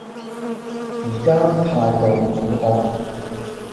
而家態度好惡